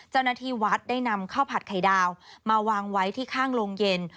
เจ้าหน้าที่วัดได้นำข้าวผัดไข่ดาวมาวางไว้ที่ข้างโรงเย็น